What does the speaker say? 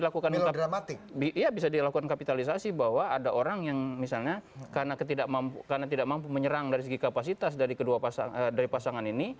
karena bisa dilakukan kapitalisasi bahwa ada orang yang misalnya karena tidak mampu menyerang dari segi kapasitas dari pasangan ini